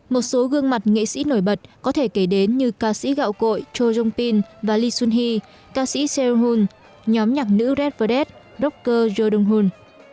một số gương mặt nghệ sĩ nổi bật có thể kể đến như ca sĩ gạo cội cho jong pil và lee soon hee ca sĩ seol hun nhóm nhạc nữ red verde rocker jo dong hun